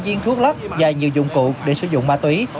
hai viên thuốc lắp và nhiều dụng cụ để sử dụng ma túy